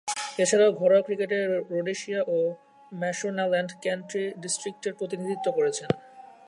এছাড়াও ঘরোয়া ক্রিকেটে রোডেশিয়া ও ম্যাশোনাল্যান্ড কান্ট্রি ডিস্ট্রিক্টসের প্রতিনিধিত্ব করেছেন।